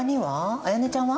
絢音ちゃんは？